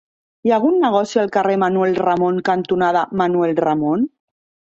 Hi ha algun negoci al carrer Manuel Ramon cantonada Manuel Ramon?